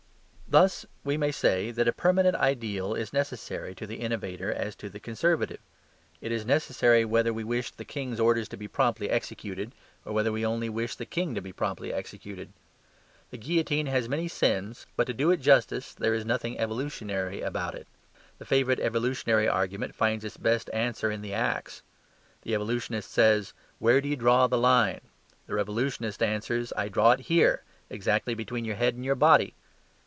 Thus we may say that a permanent ideal is as necessary to the innovator as to the conservative; it is necessary whether we wish the king's orders to be promptly executed or whether we only wish the king to be promptly executed. The guillotine has many sins, but to do it justice there is nothing evolutionary about it. The favourite evolutionary argument finds its best answer in the axe. The Evolutionist says, "Where do you draw the line?" the Revolutionist answers, "I draw it HERE: exactly between your head and body."